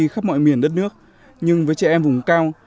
tết thiếu nhi khắp mọi miền đất nước nhưng với trẻ em vùng cao